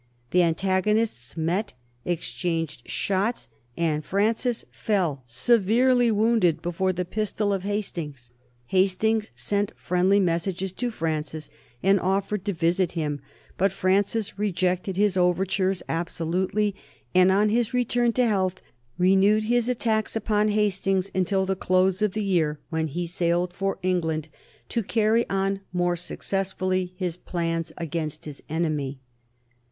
The antagonists met, exchanged shots, and Francis fell severely wounded before the pistol of Hastings. Hastings sent friendly messages to Francis and offered to visit him, but Francis rejected his overtures absolutely, and on his return to health renewed his attacks upon Hastings until the close of the year, when he sailed for England to carry on more successfully his plans against his enemy.